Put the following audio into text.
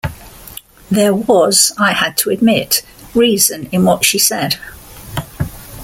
There was, I had to admit, reason in what she said.